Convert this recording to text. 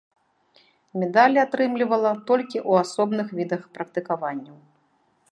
Медалі атрымлівала толькі ў асобных відах практыкаванняў.